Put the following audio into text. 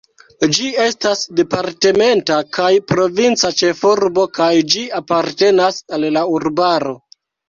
Ĝi estas departementa kaj provinca ĉefurbo kaj ĝi apartenas al urbaro.